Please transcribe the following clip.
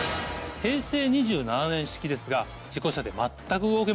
平成２７年式ですが事故車で全く動きません。